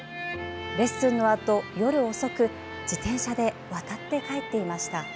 レッスンのあと、夜遅く自転車で渡って帰っていました。